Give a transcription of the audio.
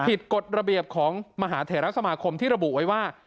กฎระเบียบของมหาเถระสมาคมที่ระบุไว้ว่า